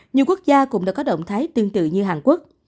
nhiều quốc gia cũng đã có động thái tương tự như hàn quốc